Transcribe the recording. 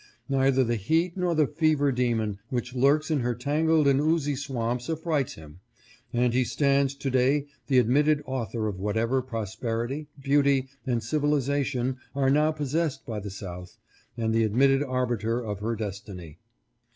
Neither the heat nor the fever demon which lurks in her tangled and oozy swamps affrights him, and he stands to day the admitted author of whatever prosperity, beauty, and civilization are now possessed by the South, and the admitted arbiter of her destiny.